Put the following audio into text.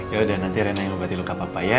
yaudah nanti rena yang obati luka papa ya